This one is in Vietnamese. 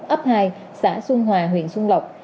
ấp hai xã xuân hòa huyện xuân lộc